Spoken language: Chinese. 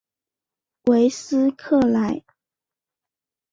韦斯克莱。